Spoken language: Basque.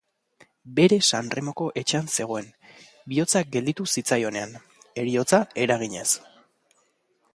Bere Sanremoko etxean zegoen, bihotza gelditu zitzaionean, heriotza eraginez.